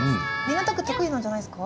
港区得意なんじゃないですか？